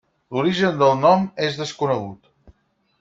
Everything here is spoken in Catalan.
L'origen del nom és desconegut.